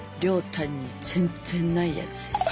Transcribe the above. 亮太に全然ないやつです。